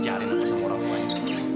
jarin aku sama orang lain